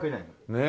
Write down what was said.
ねえ。